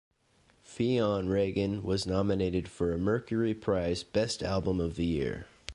Fionn Regan was nominated for a Mercury Prize Best Album Of The Year.